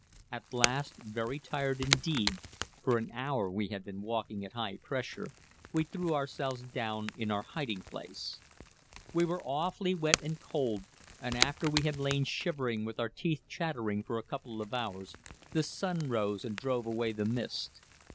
At last, very tired indeed (for an hour we had been walking at high pressure), we threw ourselves down in our hiding place. [Illustration: SKETCH MAP SHOWING PLAN OF ESCAPE IN PALESTINE] We were awfully wet and cold, and after we had lain shivering with our teeth chattering for a couple of hours, the sun rose and drove away the mist.